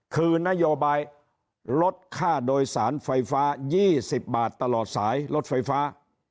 คือนโยบายลดค่าโดยสารไฟฟ้า๒๐บาทตลอดสายรถไฟฟ้า